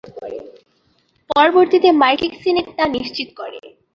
পরবর্তীতে মার্কিন সিনেট তা নিশ্চিত করে।